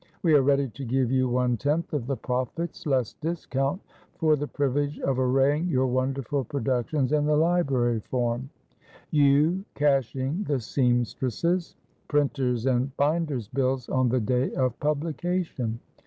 We are ready to give you one tenth of the profits (less discount) for the privilege of arraying your wonderful productions in the library form: you cashing the seamstresses' printer's and binder's bills on the day of publication.